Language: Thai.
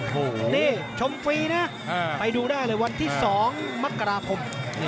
บ๊วยชมฟรีนะไปดูได้เลยวันที่๒มกราพม